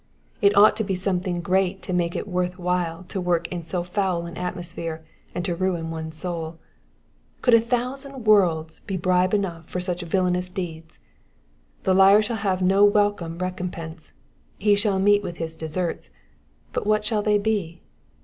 It ought to be something great to make it worth while to work in 80 foul an atmosphere and to ruin one's souL Could a thousand worlds be bribe enough for such villainous deeds ? The liar shall have no welcome recompense : he shall meet with his deserts ; but what shall they be